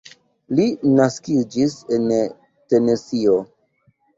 Li naskiĝis en Tenesio.